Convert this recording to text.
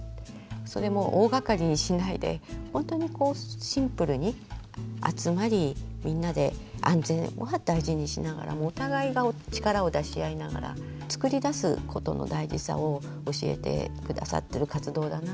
それも大がかりにしないで本当にこうシンプルに集まりみんなで安全は大事にしながらもお互いが力を出し合いながらつくりだすことの大事さを教えて下さってる活動だなと思います。